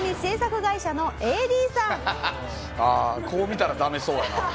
「ああこう見たらダメそうやな」